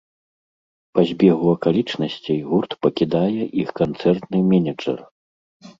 Па збегу акалічнасцей гурт пакідае іх канцэртны менеджар.